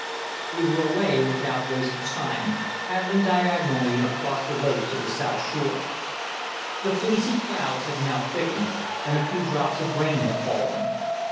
We were away without waste of time, paddling diagonally across the lake to the south shore. The fleecy clouds had now thickened, and a few drops of rain had fallen.